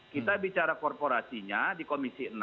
kita bicara korporasinya di komisi enam